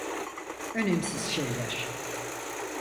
Önemsiz şeyler.